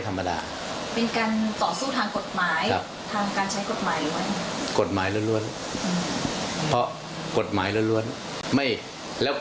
ถ้าสมมุติเปิดเครื่องเที่ยวไปแล้ว